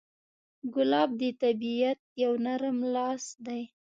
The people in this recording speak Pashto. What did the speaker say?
ګلاب د طبیعت یو نرم لاس دی.